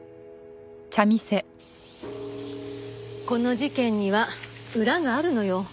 この事件には裏があるのよ。